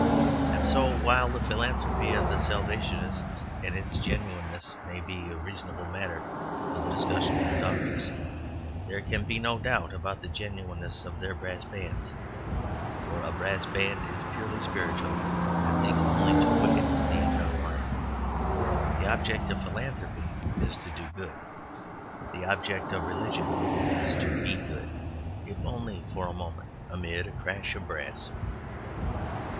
And so while the philanthropy of the Salvationists and its genuineness may be a reasonable matter for the discussion of the doctors, there can be no doubt about the genuineness of their brass bands, for a brass band is purely spiritual, and seeks only to quicken the internal life. The object of philanthropy is to do good; the object of religion is to be good, if only for a moment, amid a crash of brass.